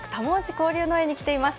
交流前に来ています。